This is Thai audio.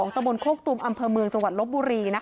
ตะบนโคกตุมอำเภอเมืองจังหวัดลบบุรี